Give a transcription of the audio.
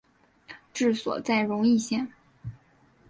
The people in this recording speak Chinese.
治所在荣懿县。